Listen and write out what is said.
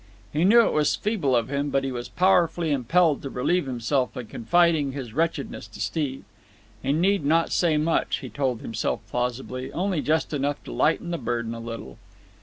He knew it was feeble of him, but he was powerfully impelled to relieve himself by confiding his wretchedness to Steve. He need not say much, he told himself plausibly—only just enough to lighten the burden a little.